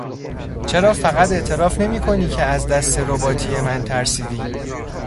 چرا فقط اعتراف نمیکنی که از دست رباتیه من ترسیدی؟